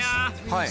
はい。